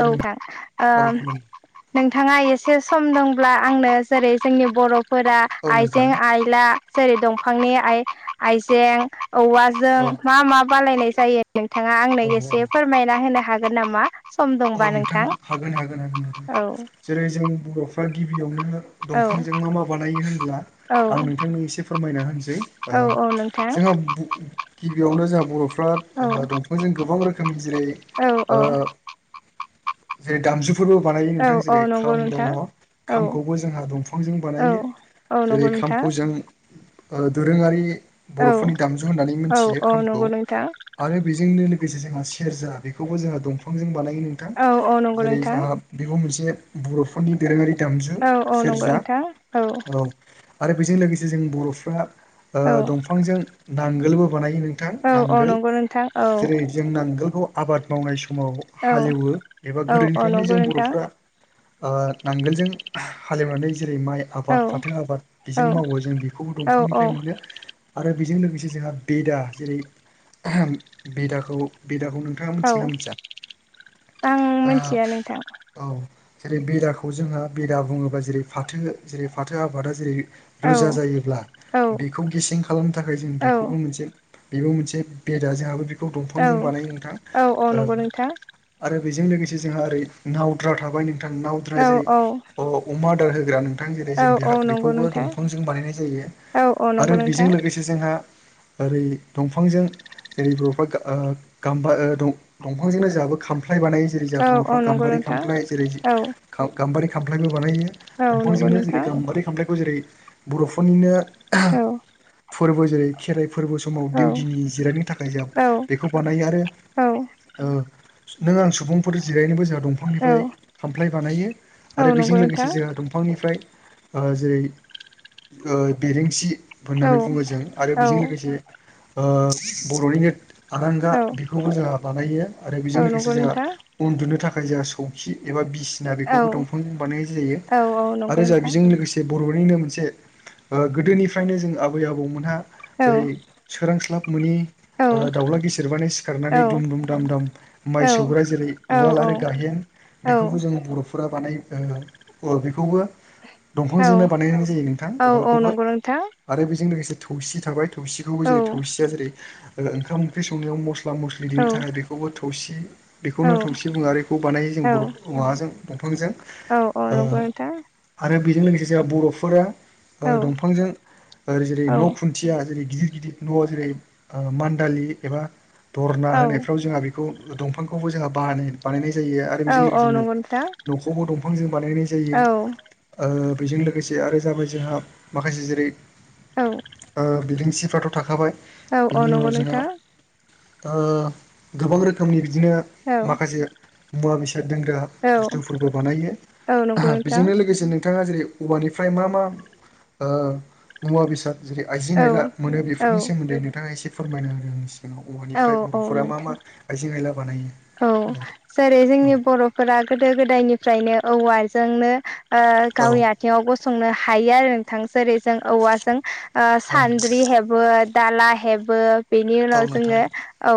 औ थां ओ औ खुलुम नोंथाङा एसे सम दं ब्ला आंनो जेरै जोंनि बर'फोरा औ नोंथां आइजें आइला जेरै दंफांनि आइ आइजें औवाजों औ मा मा बालायनाय जायो नोंथाङा आंनो औ एसे फोरमायना होनो हागोन नामा सम औ दंबा नोंथां हागोन हागोन हागोन औ नोंथां जेरै जों बर'फ्रा गिबियावनो औ दंफांजों मा मा बानायो होनब्ला औ आं नोंथांनो एसे फोरमायना होनसै औ औ नोंथां जोंहा गिबियावनो जोंहा औ बर'फ्रा दंफांजों गोबां रोखोमनि जेरै औ औ ज दामजु फोरबो बानायो औ नोंथां जेरै औ नंगौ खाम दङ नोंथां औ खामखौबो जोंहा दंफांजों औ बानायो औ जेरै नंगौ नोंथां खाम्फजों दोरोङारि औ बर'फोरनि दामजु होननानै औ मोनथियो औ खामखौ नंगौ नोंथां आरो बेजोंनो जोंहा सेरजा बेखौबो जोंहा दंफांजों बानायो नोंथां औ औ नंगौ जेरै नोंथां जोंहा बेबो मोन से बर'फोरनि दोरोङारि दामजु औ औ नंगौ सेरजा नोंथां औ आरो बेजों लोगोसे जों बर'फ्रा औ दंफांजों नांगोलबो बानायो नोंथां औ औ नांगोल नंगौ नोंथां औ जेरै जों नांगोलखौ आबाद मावनाय समाव औ हालेवो एबा औ औ गोदोनिफ्रायनो नंगौ जों नोंथां बर'फ्रा नांगोलजों हालेवनानै जेरै माइ औ आबाद फाथो आबाद औ बेजों मावो जों बेखौबो औ औ दंफांनिफ्राय मोनो आरो बेजों लोगोसे जोंहा बेदा जेरै ओम बेदाखौ बेदाखौ नोंथाङा औ मिथिगोनना मिथिया आं ओ मोनथिया नोंथां। औ जेरै बेराखौ जोंहा बेदा बुङोबा जेरै फाथो जेरै फाथो आबादा जेरै औ रोजा जायोब्ला, औ बेखौ गेसें खालामनो थाखाय जों औ बेखौबो मोनसे बेबो मोनसे बेदा जोंहाबो बेखौ दंफांजों बानायो नोंथां। ओ हा? आरो बेजों लोगोसे जोंहा ओरै नावद्रा थाबाय नोंथां। नावद्रा औ जेरै औ अ-अमा आदार होग्रा नों थां। जेरै औ जों औ नंगौ बे-बेखौबो नोंथां दंफांजों बानायनाय जायो औ औ नंगौ आरो बेजों नोंथां लोगोसे जोंहा ओरै दंफांजों जेरै बर'फ्रा ओ गामबा ओ दं-दं दंफांजोंनो जाहाबो खामफ्लाय बानायो जेरै जाहा औ बर'फ्रा औ नंगौ गाम्बारि नोंथां खामफ्लाय, जेरै औ गाम्बारि खामफ्लायबो बानायो औ नंगौ दंफांजोंनो जेरै नोंथां गामबारि खामफ्लाइखौ जेरै बर'फोरनिनो औ। फोरबो जेरै खेराइ फोरबो समाव औ दौदिनि जिरायनो थाखाय जा औ बेखौ बानायो आरो औ ओ नों आं सुबुंफोर जिरायनोबो जों औ दंफांनिफाय खामफ्लाय बानायो औ आरो बेजों नंगौ लोगोसे नोंथां जोंहा दंफांनिफ्राय ओ जेरै ओ बेरेंसि औ होननानै बुङो जों आरो औ बेजों लोगोसे ओ बर'नि नेट आरांगा औ बेखौबो जोंहा बानायो आरो बेजों औ लोगोसे नंगौ जोंहा नोंथां उन्दुनो थाखाय जोंहा सौखि एबा बिस सिना बेखौबो दंफांजों बानायनाय औ जायो औ औ आरो नंगौ जाहा नोंथां बेजों लोगोसे बर'निनो मोन से ओ गोदोनिफ्रायनो जों आबै आबौमोनहा औ जेरै सोरोंस्लाब मोनि दाउला गेसेेरबानो औ सिखारनानै दुम दुम, दाम दाम माइ औ औ सौग्रा जेरै औ उवाल आरो गाहेन, औ बेखौबो जों बर' फोरा बानायो। ओ अ बेखौबो औ दंफांजोंनो बानायनाय जायो नोंथां औ औ उवालखौबो नंगौ नोंथां आरो बेजों लोगोसे थौसि थाबाय। थौसिखौबो औ जेरै थौसिया जेरै ओ-ओंखाम ओंख्रि संनायाव मस्ला मस्लि औ देनो थाखाय बे खौबो थौसि। औ बेखौनो थौसि बुङो आरो बेखौ बानायो जों औ बर' माबाजों दंफांजों। औ औ ओ नंगौ नोंथां आरो बेजों लोगोसे जोंहा बर'फोरा ओ औ दंफांजों ओ जेरै औ न' खुन्थिया जेरै गिदिर गिदिर न' जेरै मान्दालि एबा दरना औ होनाय खौ जोंहा बेखौ दंफांखौबो जोंहा बाहानाय बानायनाय जायो आरो औ बेजों औ लोगोसे नंगौ नोंथां न'-न'खौबो दंफांजों बानायनाय जायो। औ बेजों लोगोसे आरो जाबाय जोंहा माखासे जेरै औ बिदिंसिफ्राथ' थाखाबाय। औ औ बेनि नंगौ उनाव जोंहा नोंथां। ओ गोबां रोखोमनि बिदिनो औ माखासे मुवा बेस साद दोनग्रा औ बुस्थुफोरबो बानायो। औ नंगौ नोंथां बेजोंनो लोगोसेनो नोंथाङा जेरै औवानिफ्राय मा मा ओ मुवा बेसाद जेरै आइजें आइला मोनो औ बेफोरनि औ सोमोन्दै नोंथाङा एसे फोरमायना हो आंनि सिगाङाव औ औवानिफ्राय औ बर'फोरा मा नोंथां मा आइजें आइला बानायो। औ जेरै जोंनि बर'फोरा गोदो गोदायनिफ्रायनो औवाजोंनो ओ औ गावनि आथेङाव गसंनो हायो आरो। नोंथां जेरै जों औवाजों औ सान्द्रि हेबो, दाला हेबो। बेनि औ उनाव नोंथां जोङो औ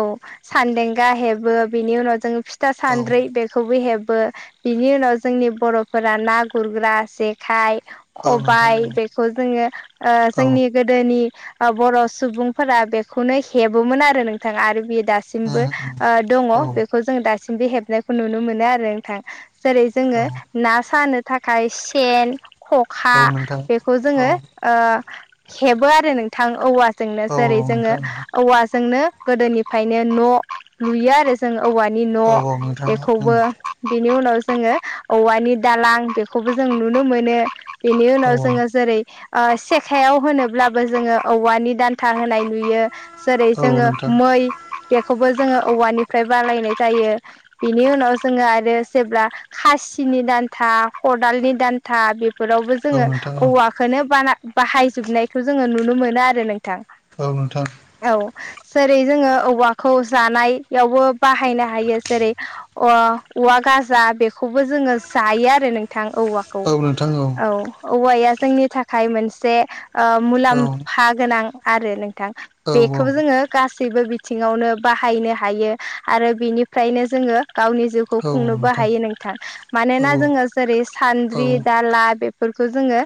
सानदेंगा हेबो, बेनि उनाव जोङो फिथा औ सानद्रै बेखौबो हेब बो, बिनि उनाव जोंनि बर'फोरा ना गुरग्रा जेखाइ, औ नोंथां खबाइ औ बेखौ जोङो ओ औ जोंनि गोदोनि बर' सुबुंफोरा बेखौनो हेबोमोन आरो नोंथाङा आरो बे दासिमबो उम उम ओ दङ औ बेखौ जों दासिमबो हेबनायखौ नुनो मोनो आरो नोंथां। जेरै औ जोङो ना सानो थाखाय सेन, खखा औ नोंथां बेखौ औ जोङो ओ हेबो आरो नोंथां औवा जोंनो औ जेरै जोङो नोंथां औवाजोंनो गोदोनिफ्रायनो न' लुयो आरो जों औवानि औ न' नोंथां बेखौबो उम औ बेनि उनाव जोङो औवानि दालां बेखौबो जों नुनो मोनो। बेनि औ उनाव जोङो जेरै ओ सेखायाव होनोब्लाबो जोङो औवानि दान्था होनाय नुयो। जेरै औ जोङो नोंथां मै बेखौबो जोङो औवानि फ्राय बालायनाय जायो बेनि उनाव जोङो आरो जेब्ला खासिनि दान्था खदालनि दान्था बे फोरावबो औ जोङो नोंथां औ औवाखोनो बाला बाहायजोबनायखौ जोङो नुनो मोनो आरो नों थां औ नोंथां औ जेरै जोङो औवाखौ जानाय यावबो बाहायनो हायो जेरै अ औवा गाजा बेखौबो जोङो जायो आरो नों थां औवाखौ औ नोंथां औ औवाया जोंनि थाखाय मोनसे ओ औ मुलाम्फा गोनां आरो नोंथां औ बेखौबो जोङो गास सैबो बिथिङावनो बाहायनो हायो आरो बिनिफ्रायनो जोङो गावनि जिउखौ औ खुंनोबो हायो नोंथां। औ मानोना जोङो जेरै सान्द्रि औ दाला बे फोरखो जोङो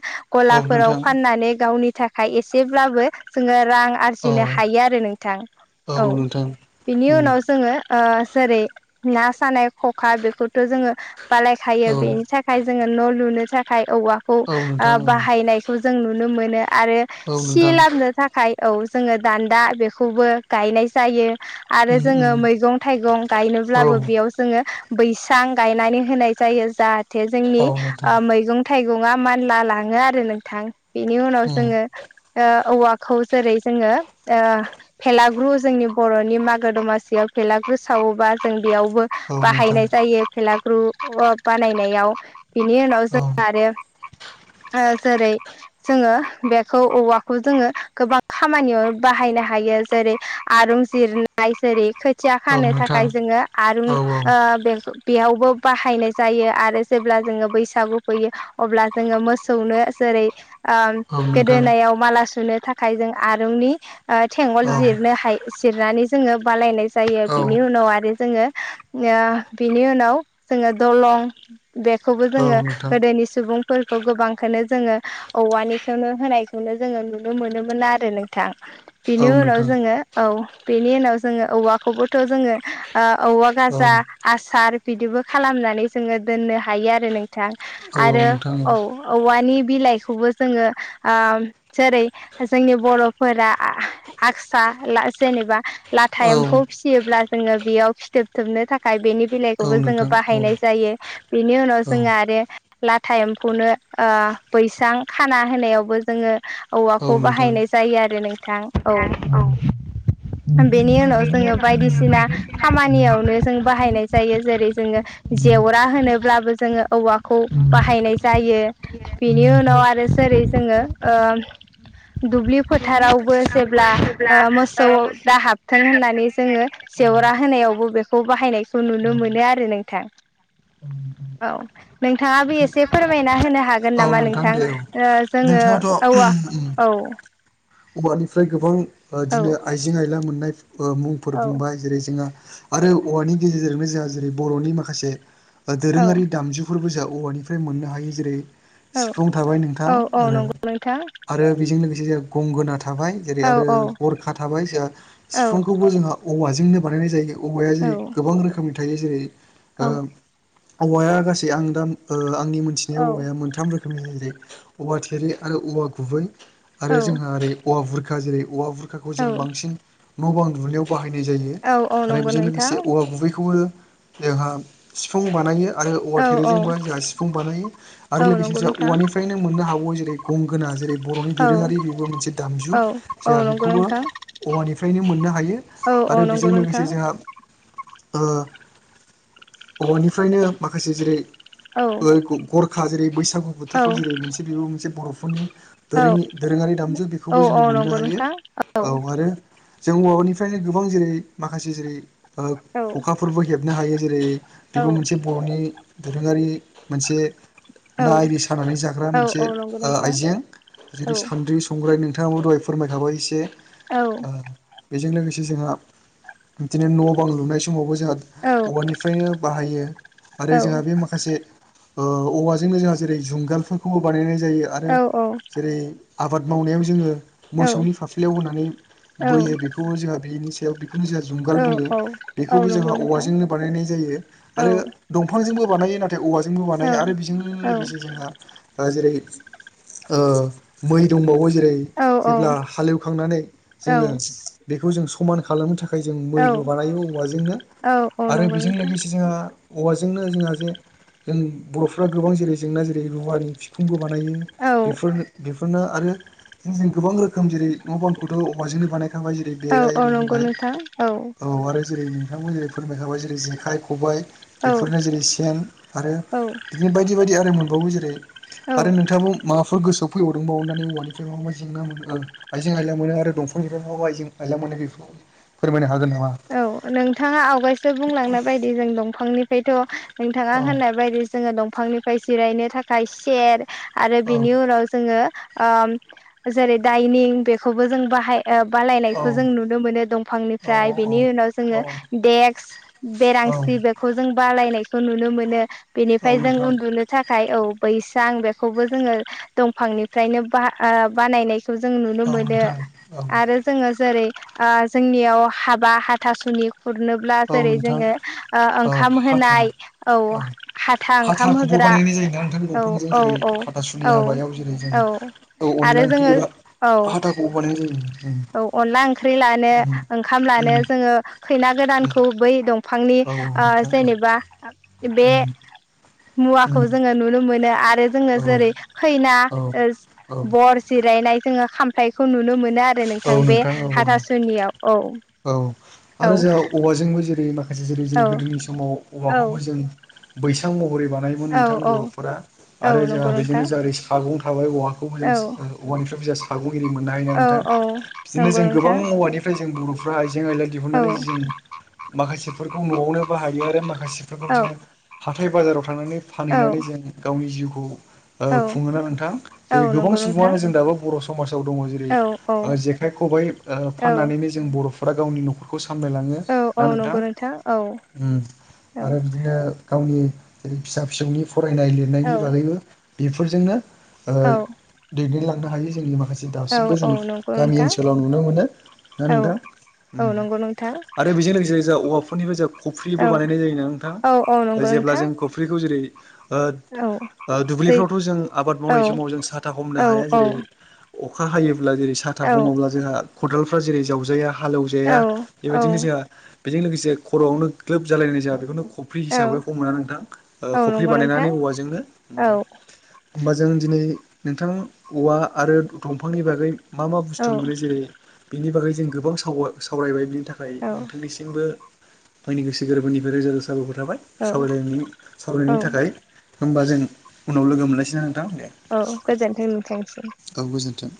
औ गलाफोराव नोंथां फाननानै गावनि थाखाय एसेब्लाबो जोङो रां आरजिनो औ हायो आरो नोंथां। औ बिनि उम उनाव जोङो ओ जेरै ना सानाय ख'खा बेखौथ' जोङो बालायखायो औ बेनि थाखाय जोङो न' लुनो थाखाय औवाखौ औ आ नोंथां औ बाहायनायखौ जों नुनो मोनो आरो औ सि नोंथां लाबनो थाखाय औ जोङो दान्दा बेखौबो गायनाय जायो। आरो उम जोङो उम मैगं थाइगं औ गायनोब्लाबो बेयाव जोङो बैसां गायनानै होनाय जायो। जाहाथे जोंनि औ नोंथां ओ मैगं थाइ गङा मानला लाङो आरो नोंथां। बेनि उनाव उम जोङो ओ औवाखौ जेरै जोङो ओ भेलाग्रु जोंनि बर'नि मा गो दमासियाव भेलागुर सावोबा जों बेयावबो औ नोंथां बाहायनाय जायो। भेला ग्रु अ बानायनायाव बिनि उनाव जों औ आरो [unintelligible] जेरै जोङो बेखौ औवाखौ जोङो गोबां खामानियाव बाहायनो हायो। जे रै आरुं जिर नाय जेरै खोथिया औ खानो नोंथां थाखाय जोङो आरुं औ ओ [unintelligible] बेयावबो बाहायनाय जायो आरो जेब्ला जोङो बैसागु फैयो अब्ला जोङो मोसौनो [unintelligible] जेरै ओम औ नोंथां गोदोनायाव माला सुनो थाखाय जों आरुंनि ओ थेंगल औ जिरनो हाय जिरनानै जोङो बालायनाय जायो। औ बेनि उनाव आरो जोङो [unintelligible] बिनि उनाव जोङो दलं बेखौबो औ जोङो नोंथां गोदोनि सुबुं फोरखौ गोबांखोनो जोङो औवानिखोनो होनायखौनो जोङो नुनो मोनोमोन आरो नोंथां। बेनि औ नोंथां उनाव जोङो औ बेनि उनाव जोङो औवाखौबोथ' जोङो ओ औवा औ नोंथां औ गाजा नोंथां आसार बिदिबो खालामनानै जोङो दोननो हायो आरो नों थां आरो औ औवानि बिलाइखौबो जोङो आम जेरै जोंनि बर'फोरा आ-आगसा जेनेबा लाथा एम्फौ फिसियोब्ला जोङो बेयाव फिथोब थोबनो थाखाय बेनि बिलाइखौबो जोङो औ बाहायनाय जायो। बेनि उनाव औ जोङो आरो लाथा एम्फौनो ओ बैसां खाना होनायावबो जोङो औ औवाखौ नोंथां बाहायनाय जायो आरो नोंथां औ। बेनि उनाव जोङो बायदिसिना खामानियावनो जों बाहायनाय जायो जेरै जोङो जेवरा हो नोब्लाबो जोङो औवाखौ जेवरा बाहायनाय जायो। बेनि उनाव आरो जेरै जोङो ओ दुब्लि फोथारावबो जेब्ला ओ मोसौ दा हाबथों होननानै जोङो जेवरा होनायावबो बेखौ बाहायनायखौ नुनो होनायाव मोनो आरो नोंथां। औ नोंथाङाबो एसे फोरमायना होनो हा गोन औ नामा नोंथां दे औ ओ जोङो नोंथाङाथ' औवा औ औवानिफ्राय गोबां औ बिदिनो आइजें-आयला मोननाय ओ मुंफोर बुंबाय जेरै जोंहा आरो औवानि गेजेरजोंनो जोंहा जेरै बर'नि माखासे ओ औ दोरोङारि दामजुफोरबो जोंहा औवानिफ्राय मोननो हायो जेरै औ सिफुंथाबाय नोंथां औ औ आरो नंगौ नोंथां आरो बेजों लोगो से गंगोना थाबाय जेरै औ आरो औ गरखा थाबाय जोंहा औ सिफुंखौबो जोंहा औवा जोंनो बानायनाय जायो औवाया औ जेरै गोबां रोखोमनि थायो जेरै ओ औ औवाया गासै आं दा आंनि मोनथिनाय औवाया मोनथाम रो खोमनि औवा थेरि आरो औवा गुबै आरो औ जोंहा ओरै औवा बुरखा जेरै औवा बुर खाखौ जों बांसिन न' बां दुब्लियाव बाहायनाय जायो औ औ आरो नंगौ बेजों नोंथां लोगोसे औवा गुबैखौबो जोंहा सिफुं बानायो आरो औवा औ औ थेरैजोंबो जोंहा सिफुं बानायो आरो औ लोगोसे नंगौ जोंहा नोंथां औवानिफ्रायनो मोननो हागौ जों जेरै गंगोना जेरै बर'नि औ दोरोङारि बेबो मोनसे दामजु औ औ जोंहा नंगौ बेखौबो नोंथां औवानिफ्रायनो मोननो हायो औ औ आरो नंगौ बेजों नोंथां लोगोसे जोंहा ओ औवानिफ्रायनो माखासे जेरै औ बै ग-गरखा जेरै बैसागु औ बोथोरफ्राव जेरै मोनसे बेबो मोनसे बर'फोरनि औ दोरोङि दोरोङारि दामजु औ बेखौबो औ जों मोननो नंगौ हायो नोंथां औ आरो जों औवानिफ्रायनो गोबां जेरै माखासे जेरै ओ औ खखाफोरबो हेबनो हायो जेरै औ बेबो मोनसे बर'नि दोरोङारि मोनसे औ ना आरि सानानै जाग्रा औ मोनसे औ नंगौ ओ नोंथां आइजें औ जेरै सान्द्रि, संग्राय नों थाङाबो दहाय फोरमायखाबाय एसे ओ बेजों लोगो से जोंहा बिदिनो न' बां लुनाय समावबो जोंहा औवानिफ्रायनो बाहायो आरो औ जोंहा बे माखासे ओ औवाजोंनो जोंहा जेरै जुंगालफोरखौबो बानायनाय जायो आरो औ औ जेरै आबाद मावनायाव जोङो औ मोसौनि फाफ्लियाव होनानै औ बोयो बेखौबो जोंहा बेनि सायाव बेखौनो जोंहा जुंगाल औ बुङो औ औ बेखौनो नंगौ जोंहा नोंथां जुंगाल बुङो औ आरो दंफांजोंबो बानायो नाथाय औवाजोंबो औ बानायो आरो बेजोंनो औ लोगोसे ओ जेरै ओं मै दंबावो जेरै औ जेब्ला हालेवखांनानै औ जोङो बेखौ जों समान खालामनो थाखाय जों मै औ बो बानायो औवाजोंनो औ औ आरो नंगौ बेजों नोंथां लोगोसे जोंहा औवा जोंनो जोंहा जे जों बर'फ्रा गोबां जेरै रुवाथि फिखुं बानायो औ बेफोरनो बेफोरनो आरो जोङो गोबां रो खोम जेरै न' बांखौथ' औवाजोंनो बानायखाबाय जेरै औ बेरा औ एरि नंगौ होबाय नोंथां औ आरो जेरै नोंथाबो जेरै फोरमायखाबाय जेरै जेखाइ-खबाइ औ बेफोरनो जेरै सेन आरो बिदिनो बाय दि आरो मोनबावो जेरै औ औ आरो नोंथाङाबो माबाफोर गोसो फैबावदोंबा अननानै औवानिफ्राय माबा मा जेंना मोनो ओ आइजें-आइला मोनो आरो दंफांनिफ्राय मा मा आयजें-आइला मोनो बेफोरखौ फोरमायनो हागोनना औ नोंथाङा आवगायसो बुंलांनाय बायदि जों दंफांनिफ्रायथ' नोंथाङा औ होननाय बायदि जोङो दंफांनिफ्राय जिरायनो थाखाय सेर आरो औ बिनि उनाव जोङो ओ जेरै दाइनिं बेखौबो जों बाहाय ओ औ बालायनायखौ जों नुनो मोनो औ दंफांनिफ्राय बेनि उनाव औ जोङो देक्स, औ बेरांसि बेखौ जों बालायनायखौ नुनो मोनो औ बेनिफ्राय जों नोंथां उन्दुनो था खाय औ बैसां बेखौबो जोङो दंफांनिफ्रायनो बा ओ बानायनाय खौ जों नुनो औ मोनो नोंथां औ आरो जोङो जेरै ओ जोंनियाव हाब बा हाथासुनि खुरनोब्ला औ जेरै नोंथां जोङो ओ औ ओंखाम हाथा होनाय औ हाथा ओंखाम हाथाखौबो होग्रा बानायनाय जायोना नोंथां दंफांजों जेरै हाथासुनि हाबायाव जेरै जों औ-औ-औ-औ-औ औ आरो अनला ओंख्रि जोङो एबा औ-औ हाथाखौबो बानायनाय जायो अनला ओंख्रि लानो उम ओंखाम ला उम जोङो खैना उम गोदानखौ बै दं फांनि उम औ आं नोंथां औ जेनेबा बे उम मुवाखौ उम जोङो नुनो मोनो आर आरो जोङो औ जेरै औ खैना औ ओस औ बर जिरायनाय जोङो खामफ्लइखौ नुनो मोनो। नो आरो नोंथां औ बे औ औ हाथासुनियाव औ। औ औ आरो जोंहा औवाजोंबो जेरै माखासे जेरै औ जों गोदोनि समाव औवाखौबो औ जों बैसां म हरै बानायोमोन औ नोंथां औ बर'फोरा औ आरो जोंहा नंगौ बेजोंनो नोंथां जै सागं थाबाय औवाखौबो जों औ ओ औवानिफ्राय साग'गिरि मोननो हायो ना औ नोंथां औ बिदिनो नंगौ जों गोबां नोंथां औवानिफ्राय जों बर'फ्रा आइजें आइलाय औ दिहुननानै जों माखासेफोरखौ न'आवनो बाहायो आरो माखासेफोरखौ औ बिदिनो हाथाय बाजाराव थांनानै औ फानहैनानै जों गावनि जिउखौ औ ओ खुङोना नोंथां औ जेरै गोबां नंगौ नोंथां सुबुङानो जों दाबो बर' [unintelligible] दङ जेरै औ औ ओ जेखाय खबाइ ओ औ फाननानैनो जों बर'फोरा गावनि न'खरखौ साम सामलायलाङो औ ना औ नोंथां नंगौ औ ओं औ आरो बिदिनो गावनि जेरै फिसा फिसौनि फरायनाय लिरनायनि बागैबो बेफोरजोंनो ओ औ दैदेनलांनो हायो जोंनि माखासे दि दासिमबो औ औ जों नंगौ गामि नोंथां ओनसोलाव नुनो मोनो ना औ नोंथां? औ नंगौ नोंथां आरो बेजों लोगोसे जा औवाफोरनिबो जा खफ्रिबो औ बानायनाय जायोना औ औ नोंथां नंगौ जेब्ला नोंथां जों खफ्रिखौ जेरै ओ औ औ ओ दुब्लिफ्रावथ' जों आबाद औ मावनाय समाव जों साथा हमनो औ हाया जेरै अ अखा हायोब्ला जेरै साथा औ हमोब्ला जोंहा खदालफ्रा जेरै जावजाया हालेवजाया बेबायदिनो औ जोंहा बेजों लोगोसे खर'आवनो ग्लोब जालायनाय जोंहा बेखौनो खफ्रि हिसाबै हमोना नोंथां ओ खफ्रि नंगौ नोंथां बानायनानै औवाजोंनो। औ औ होमबा जों दिनै नोंथां औवा आरो दंफांनि बागै मा मा बुस्थु मोनो जेरै बिनि बागै जों गोबां साव सावरायबाय बिनि थाखाय औ नोंथांनिसिमबो आंनि गोसो गोरबोनिफ्राय रोजा रोजा साबायखर थाबाय औ सावरायलायनि औ सावरायनायनि थाखाय। होमबा जों उनाव लोगो मोनलायसोना नोंथां दे औ गोजोनथों नोंथांनिसिम औ गोजोनथों।